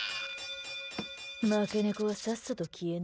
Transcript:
負け猫はさっさと消えな。